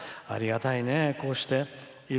ありがたいね、こうして。